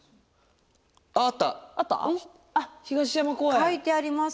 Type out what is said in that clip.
書いてあります。